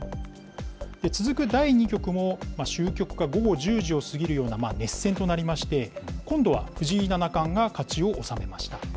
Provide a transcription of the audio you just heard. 続く第２局も終局が午後１０時を過ぎるような熱戦となりまして、今度は藤井七冠が勝ちを収めました。